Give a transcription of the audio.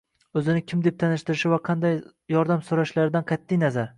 O‘zini kim deb tanishtirishi va qanday yordam so‘rashlaridan qat’iy nazar